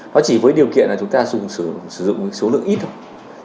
nó chỉ với điều kiện là chúng ta dùng sử dụng số lượng ít thôi